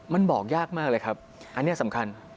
มันบอกยากมากเลยครับอันนี้สำคัญ